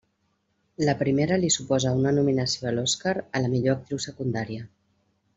La primera li suposa una nominació a l'Oscar a la millor actriu secundària.